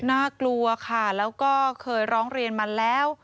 น่ากลัวค่ะแล้วก็เคยร้องเรียนมาแล้ว